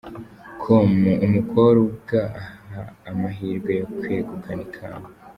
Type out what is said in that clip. com umukobwa aha amahirwe yo kwegukana ikamba.